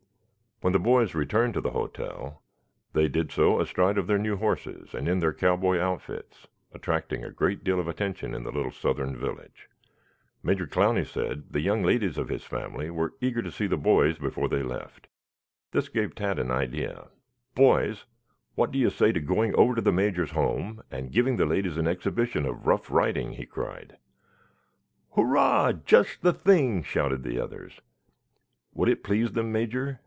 When the boys returned to the hotel they did so astride of their new horses and in their cowboy outfits, attracting a great deal of attention in the little southern village. Major Clowney said the young ladies of his family were eager to see the boys before they left. This gave Tad an idea. "Boys, what do you say to going over to the Major's home and giving the ladies an exhibition of rough riding?" he cried. "Hurrah! Just the thing," shouted the others. "Would it please them, Major?"